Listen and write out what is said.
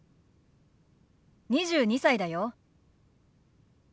２２歳だよ。ＯＫ。